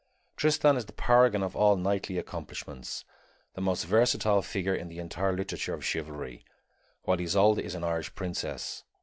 Tristan is the paragon of all knightly accomplishments, the most versatile figure in the entire literature of chivalry; while Isolde is an Irish princess.